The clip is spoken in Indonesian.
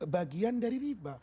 bagian dari riba